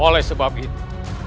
oleh sebab itu